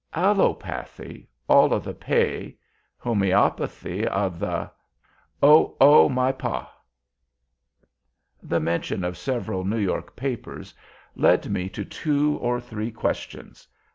ALLOPATHY. ALL O' TH' PAY. HOMŒOPATHY. O, THE ——! O! O, MY! PAH! The mention of several New York papers led to two or three questions.